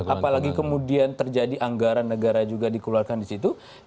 apalagi kemudian terjadi anggaran negara juga dikeluarkan di situ